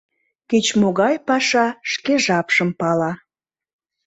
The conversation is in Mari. Кеч-могай паша шке жапшым пала.